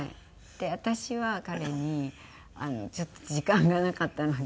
で私は彼にちょっと時間がなかったので。